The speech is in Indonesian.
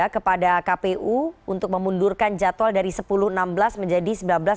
kepada kpu untuk memundurkan jadwal dari sepuluh enam belas menjadi sembilan belas dua puluh lima